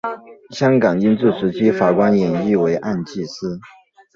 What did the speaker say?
香港英治时期法官也译为按察司。